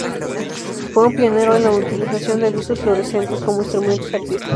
Fue un pionero en la utilización de luces fluorescentes como instrumentos artísticos.